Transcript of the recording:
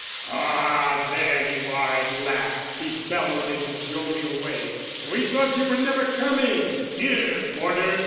"Ah, here you are at last!" he bellowed, in his jovial way. "We thought you were never coming. Here, porter!"